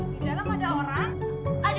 di dalam ada orang